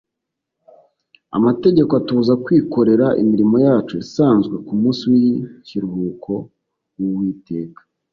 . Amategeko atubuza kwikorera imirimo yacu isanzwe ku munsi w’ikiruhuko w’Uwiteka;